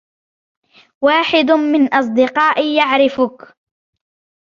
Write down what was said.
واحد من أصدقائي يعرِفك.